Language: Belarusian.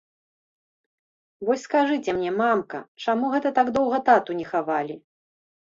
Вось скажыце мне, мамка, чаму гэта так доўга тату не хавалі?